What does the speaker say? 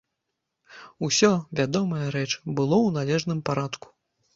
Усё, вядомая рэч, было ў належным парадку.